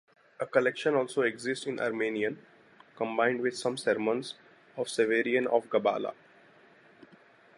A collection also exists in Armenian, combined with some sermons of Severian of Gabala.